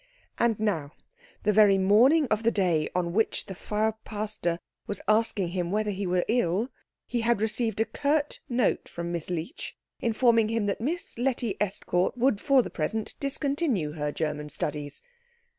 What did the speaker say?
And now, the very morning of the day on which the Frau Pastor was asking him whether he were ill, he had received a curt note from Miss Leech, informing him that Miss Letty Estcourt would for the present discontinue her German studies.